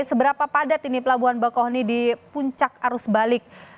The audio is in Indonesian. seberapa padat ini pelabuhan bakoh ini di puncak arus balik